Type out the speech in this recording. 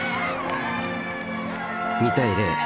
２対０。